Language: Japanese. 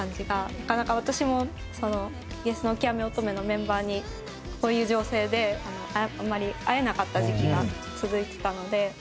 なかなか私もゲスの極み乙女。のメンバーにこういう情勢であんまり会えなかった時期が続いてたので。